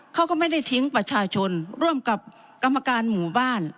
เขาก็ไม่ได้ทิ้งประชาชนร่วมกับกรรมการหมู่บ้าน